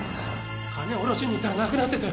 金おろしにいったらなくなってて